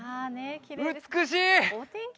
美しい！